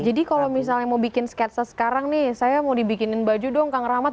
jadi kalau misalnya mau bikin sketsa sekarang nih saya mau dibikinin baju dong kang rahmat